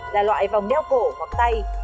là loại vòng đeo cổ hoặc tay